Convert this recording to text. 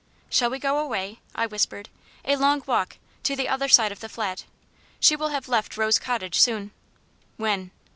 "Shall we go away?" I whispered "a long walk to the other side of the Flat? She will have left Rose Cottage soon." "When?"